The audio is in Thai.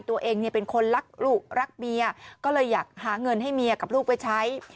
ตัวเองเป็นคนรักลูกรักเมียก็เลยอยากหาเงินให้เมียกับลูกไปใช้